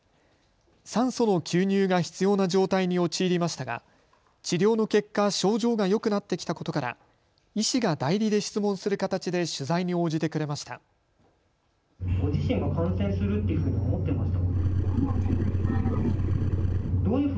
酸素の吸入が必要な状態に陥りましたが治療の結果、症状がよくなってきたことから医師が代理で質問する形で取材に応じてくれました。